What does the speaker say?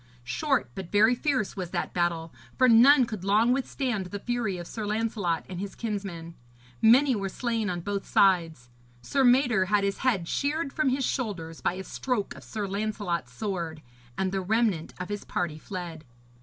Short but very fierce was that battle, for none could long withstand the fury of Sir Lancelot and his kinsmen. Many were slain on both sides; Sir Mador had his head sheared from his shoulders by a stroke of Sir Lancelot's sword, and the remnant of his party fled.